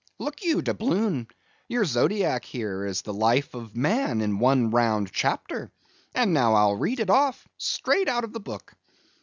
Look you, Doubloon, your zodiac here is the life of man in one round chapter; and now I'll read it off, straight out of the book.